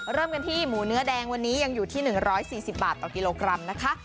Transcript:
เริ่มกันที่หมูเนื้อแดงวันนี้ยังอยู่ที่๑๔๐บาทต่อกิโลกรัมนะคะ